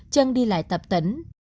chân đi lại tập tỉnh